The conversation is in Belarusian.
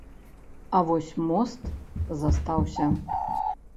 А вось мост застаўся.